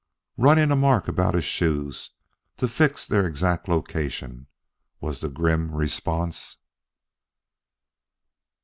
"Running a mark about his shoes to fix their exact location," was the grim response.